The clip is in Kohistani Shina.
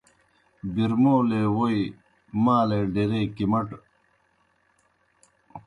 بِرمولے ووئی مالےڈیرے کِمٹہ وزنَن، ساتَ ساتَ نہ دون پکارُن۔